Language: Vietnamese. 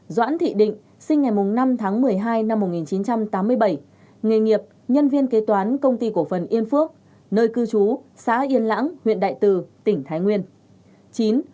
doãn thị định sinh ngày năm tháng một mươi hai năm một nghìn chín trăm tám mươi bảy nghề nghiệp nhân viên kế toán công ty cổ phần yên phước nơi cư trú xã yên lãng huyện đại từ tỉnh thái nguyên